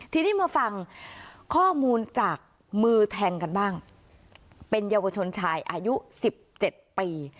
ทีนี้มาฟังข้อมูลจากมือแทงกันบ้างเป็นเยาวชนชายอายุสิบเจ็ดปี